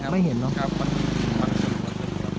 ไม่เห็นเลยครับมันมักซึ้งมากขึ้นครับ